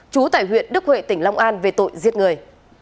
trú tại huyện đức huệ tỉnh long an về tội giết người